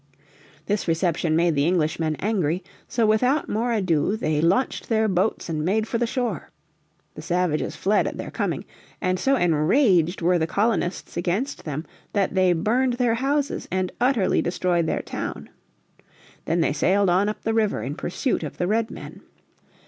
This reception made the Englishmen angry, so without more ado they launched their boats and made for the shore. The savages fled at their coming, and so enraged were the colonists against them that they burned their houses, and utterly destroyed their town. Then they sailed on up the river in pursuit of the Redmen.